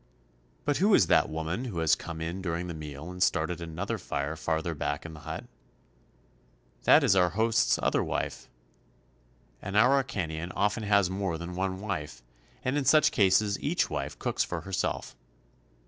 But who is that woman who has come in during the meal and started another fire farther back in the hut ? That is our host's other wife. An Araucanian often has more than one wife, and in such cases each wife cooks for her self.